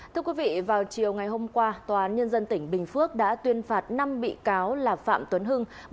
thưa quý vị vào chiều ngày hôm qua tòa án nhân dân tỉnh bình phước đã tuyên phạt năm bị cáo là phạm tuấn hưng